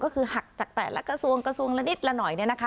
ก็คือหักจากแต่ละกระทรวงกระทรวงละนิดละหน่อย